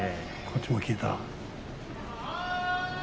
こっちが効いた。